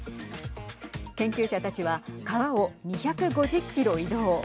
研究者たちは川を２５０キロ移動。